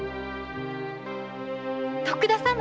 徳田様！